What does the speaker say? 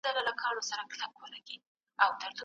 کتابونو لیکلي چي تاریخي شعور د څېړني لپاره اړین دی.